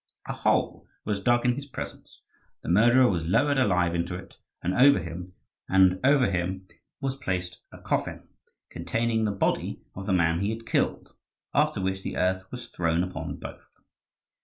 A hole was dug in his presence, the murderer was lowered alive into it, and over him was placed a coffin containing the body of the man he had killed, after which the earth was thrown upon both.